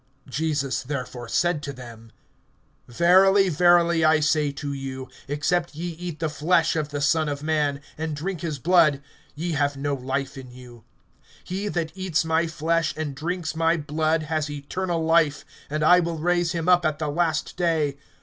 (53)Jesus therefore said to them: Verily, verily, I say to you, except ye eat the flesh of the Son of man, and drink his blood, ye have no life in you. (54)He that eats my flesh, and drinks my blood, has eternal life; and I will raise him up at the last day.